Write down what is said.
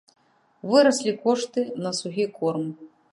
Выраслі кошты на сухі корм.